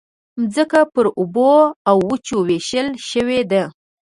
مځکه پر اوبو او وچو وېشل شوې ده.